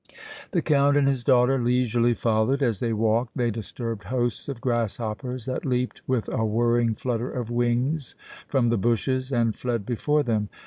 The Count and his daughter leisurely followed. As they walked they disturbed hosts of grasshoppers, that leaped with a whirring flutter of wings from the bushes and fled before them.